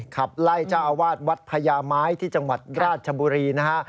ขับไล่เจ้าอาวาสวัดพญาไม้ที่จังหวัดราชบุรีนะฮะ